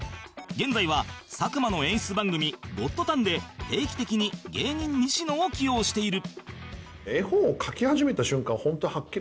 現在は佐久間の演出番組『ゴッドタン』で定期的に芸人西野を起用している